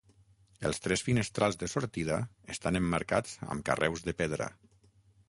Els tres finestrals de sortida estan emmarcats amb carreus de pedra.